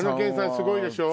すごいでしょ。